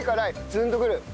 ツンとくる。